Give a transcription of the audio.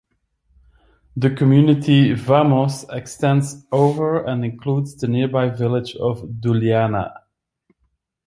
The community Vamos extends over and includes the nearby village of Douliana.